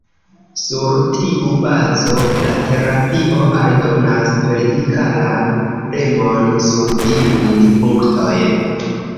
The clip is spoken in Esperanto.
Sur tiu bazo la terapio aldonas vertikalan premon sur iujn punktojn.